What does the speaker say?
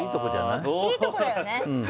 いいとこだよね？